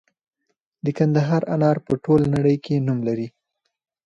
د کندهار انار په ټوله نړۍ کې نوم لري.